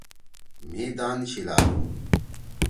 مھی دان شیِلادُو۔